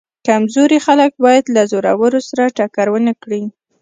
کمزوري خلک باید له زورورو سره ټکر ونه کړي.